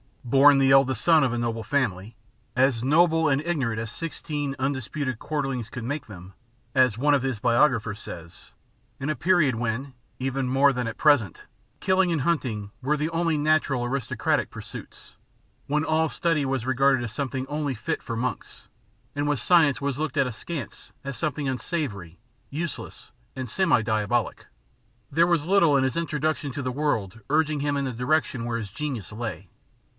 Born the eldest son of a noble family "as noble and ignorant as sixteen undisputed quarterings could make them," as one of his biographers says in a period when, even more than at present, killing and hunting were the only natural aristocratic pursuits, when all study was regarded as something only fit for monks, and when science was looked at askance as something unsavoury, useless, and semi diabolic, there was little in his introduction to the world urging him in the direction where his genius lay.